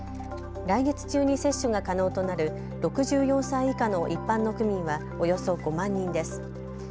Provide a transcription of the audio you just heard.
来月中に接種が可能となる６４歳以下の一般の区民はおよそ５万人です。